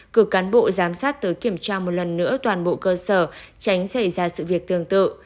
cử cán bộ giám sát tới kiểm tra một lần nữa toàn bộ cơ sở tránh xảy ra sự việc tương tự